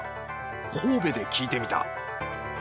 神戸で聞いてみた。